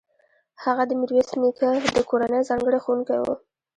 هغه د میرویس نیکه د کورنۍ ځانګړی ښوونکی و.